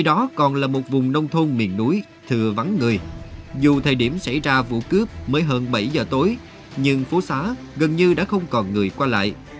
dù thời điểm xảy ra vụ cướp mới hơn bảy giờ tối nhưng phố xá gần như đã không còn người qua lại